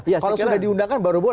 kalau sudah diundangkan baru boleh